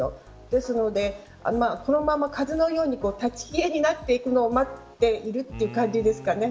ですので、そのまま風邪のように立ち消えになっていくのを待っているという感じですかね。